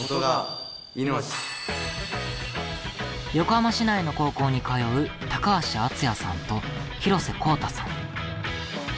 横浜市内の高校に通う高橋敦也さんと廣瀬幸太さん。